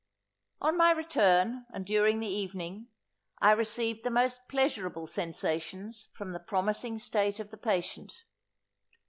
On my return, and during the evening, I received the most pleasurable sensations from the promising state of the patient.